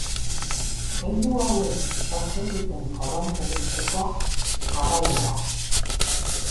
Gailu hauek sortzen duten korronte elektrikoa jarraia da.